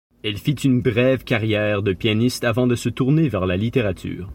Elle fit une brève carrière de pianiste avant de se tourner vers la littérature.